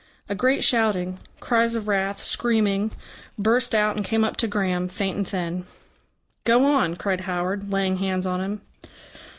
A great shouting, cries of wrath, screaming, burst out and came up to Graham, faint and thin. "Go on," cried Howard, laying hands on him.